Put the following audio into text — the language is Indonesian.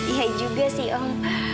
iya juga sih om